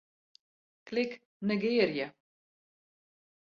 Klik Negearje.